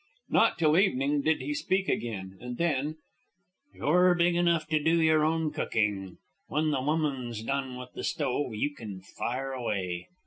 Not till evening did he speak again, and then, "You're big enough to do your own cooking. When the woman's done with the stove you can fire away."